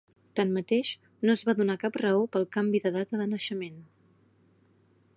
Tanmateix, no es va donar cap raó pel canvi de data de naixement.